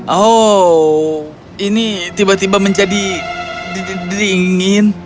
oh ini tiba tiba menjadi dingin